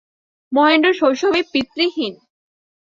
মহেন্দ্র শৈশবেই পিতৃহীন।